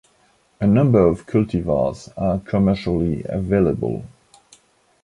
A number of cultivars are commercially available.